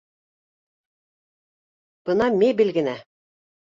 — Бына мебель генә